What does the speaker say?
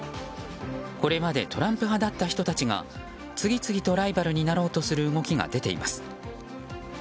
これまでトランプ派だった人たちが次々とライバルになろうとする動きが出ています。